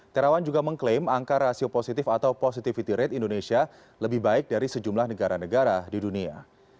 terawan juga mengklaim angka rasio positif atau positivity rate indonesia lebih baik dari sejumlah negara negara di dunia